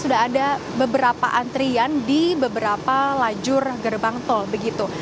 sudah ada beberapa antrian di beberapa lajur gerbang tol begitu